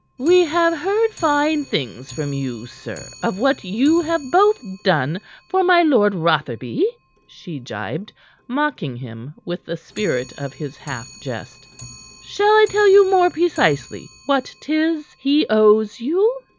"We have heard fine things from you, sir, of what you have both done for my Lord Rotherby," she gibed, mocking him with the spirit of his half jest. "Shall I tell you more precisely what 'tis he owes you?"